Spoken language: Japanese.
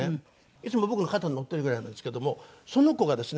いつも僕の肩に乗ってるぐらいなんですけどもその子がですね